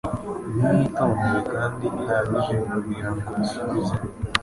nk iyitondewe kandi ihagije kugira ngo isubize